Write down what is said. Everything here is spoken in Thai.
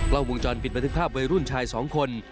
เล่าวงจรปิดมาถึงภาพวัยรุ่นชายสองคน